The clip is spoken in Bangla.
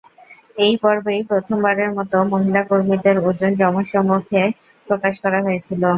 এই পর্বেই প্রথমবারের মত মহিলা কর্মীদের ওজন জনসম্মুখে প্রকাশ করা হয়েছিল।